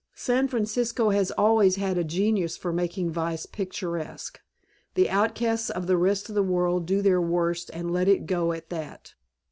San Francisco has always had a genius for making vice picturesque. The outcasts of the rest of the world do their worst and let it go at that.